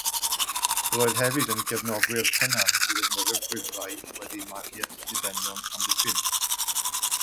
Roedd hefyd yn gefnogwr cynnar i ddefnyddio gwifrau wedi maglu at ddibenion amddiffyn.